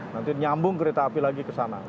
nanti nyambung kereta api lagi ke sana